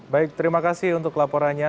baik terima kasih untuk laporannya